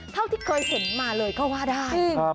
เท่าที่เคยเห็นมาเลยก็ว่าได้